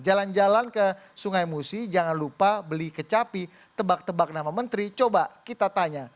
jalan jalan ke sungai musi jangan lupa beli kecapi tebak tebak nama menteri coba kita tanya